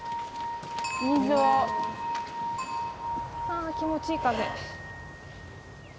あ気持ちいい風。